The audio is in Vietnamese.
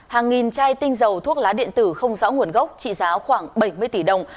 hàng nghìn chai tinh dầu thuốc lá điện tử không rõ nguồn gốc trị giá khoảng bảy mươi tỷ đồng